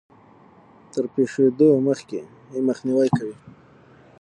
تر پېښېدو مخکې يې مخنيوی کوي.